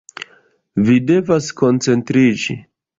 Vi devas koncentriĝi.